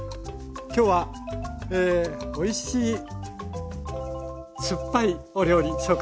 今日はおいしい酸っぱいお料理紹介しました。